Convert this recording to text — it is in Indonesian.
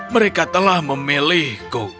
mereka telah memilihku